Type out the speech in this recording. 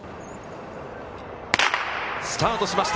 スタートしました。